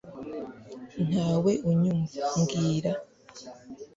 ntawe unyumva mbwira